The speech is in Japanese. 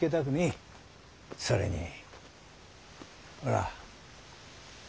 それにほら。